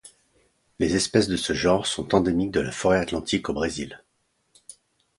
Les espèces de ce genre sont endémiques de la forêt atlantique au Brésil.